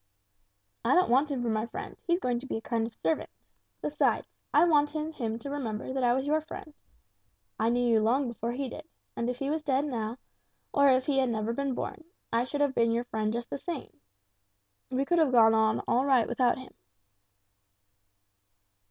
"I don't want him for my friend; he's going to be a kind of servant. Besides I wanted him to remember that I was your friend. I knew you long before he did, and if he was dead now, or if he never had been born, I should have been your friend just the same. We could have got on all right without him."